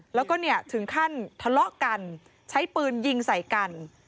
แล้วก็เนี่ยถึงขั้นทะเลาะกันใช้ปืนยิงใส่กัน